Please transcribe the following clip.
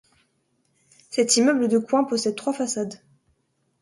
Cet immeuble de coin possède trois façades.